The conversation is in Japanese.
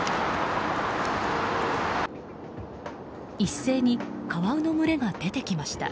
一斉にカワウの群れが出てきました。